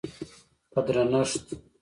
په درنښت